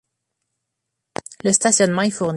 Le stationnement est fourni.